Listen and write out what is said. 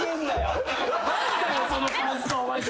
何だよその感想マジで。